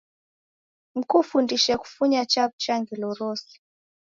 Mkufundishe kufunya chaw'ucha ngelo rose